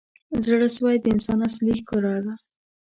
• زړه سوی د انسان اصلي ښکلا ده.